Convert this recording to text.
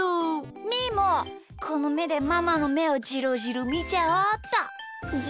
みーもこのめでママのめをじろじろみちゃおうっと。